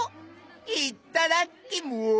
いっただきます。